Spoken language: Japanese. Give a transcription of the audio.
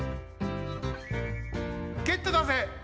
ゲットだぜ！